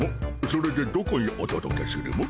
それでどこにおとどけするモ？